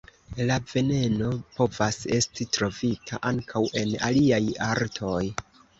La veneno povas esti trovita ankaŭ en aliaj artoj.